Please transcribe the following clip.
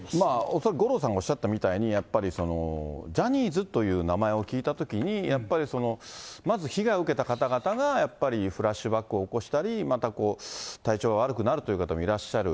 恐らく五郎さんがおっしゃったみたいに、やっぱりジャニーズという名前を聞いたときに、やっぱり、まず被害を受けた方々がやっぱりフラッシュバックを起こしたり、またこう、体調が悪くなるという方もいらっしゃる。